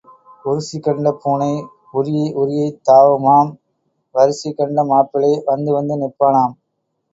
உருசி கண்ட பூனை உறியை உறியைத் தாவுமாம் வரிசை கண்ட மாப்பிள்ளை வந்து வந்து நிற்பானாம்.